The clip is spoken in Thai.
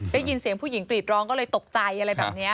ได้ยินเสียงผู้หญิงกรีดร้องก็เลยตกใจอะไรแบบนี้